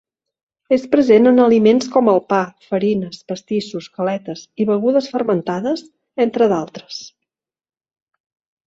És present en aliments com el pa, farines, pastissos, galetes i begudes fermentades, entre d’altres.